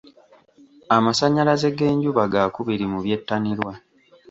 Amasannyalaze g'enjuba gaakubiri mu byettanirwa.